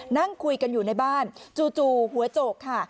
นั่งคุยกันอยู่ในบ้านจู่หัวโจกค่ะ